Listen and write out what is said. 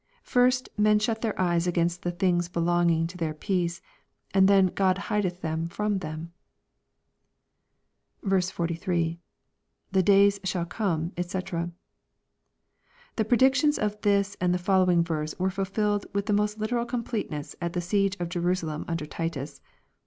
First, men shut their eyes against the things belonging to their peace, and then God hideth them fi^om them." 43. — [The days shall come^ <fec.] The predictions of this and the fol lowing verse were fulfilled with most literal completeness at the siege of Jerusalem under Titus.